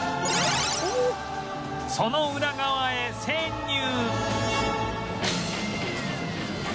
そのウラ側へ潜入！